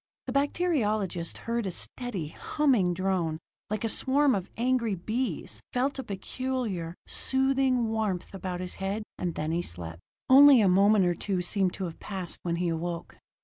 The bacteriologist heard a steady, humming drone, like a swarm of angry bees felt a peculiar, soothing warmth about his head; and then he slept. Only a moment or two seemed to have passed when he awoke.